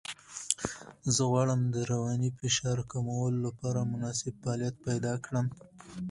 زه غواړم د رواني فشار کمولو لپاره مناسب فعالیت پیدا کړم.